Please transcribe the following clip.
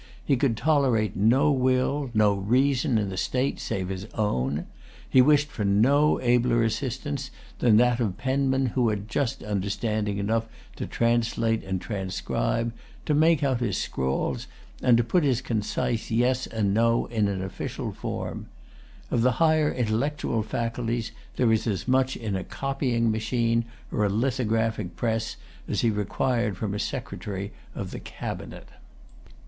He could tolerate no will, no reason, in the state save his own. He wished for no[Pg 272] abler assistance, than that of penmen who had just understanding enough to translate and transcribe, to make out his scrawls, and to put his concise Yes and No into an official form. Of the higher intellectual faculties, there is as much in a copying machine, or a lithographic press, as he required from a secretary of the cabinet.